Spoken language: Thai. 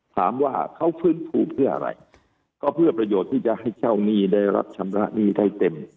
ถามว่าเขาฟื้นฟูเพื่ออะไรก็เพื่อประโยชน์ที่จะให้เช่าหนี้ได้รับชำระหนี้ได้เต็ม